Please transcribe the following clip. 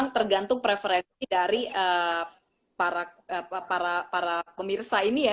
tergantung preferensi dari para pemirsa ini ya